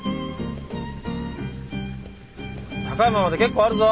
高山まで結構あるぞ。